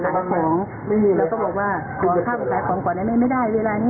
ขอข้าวขายของก่อนได้ไหมไม่ได้เวลานี้ผมจะมารอพี่คนเดียวยังไงอย่างนี้นะคะ